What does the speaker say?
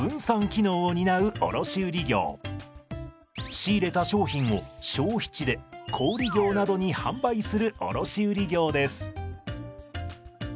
仕入れた商品を消費地で小売業などに販売する卸売業です。